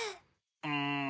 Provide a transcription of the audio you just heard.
うん。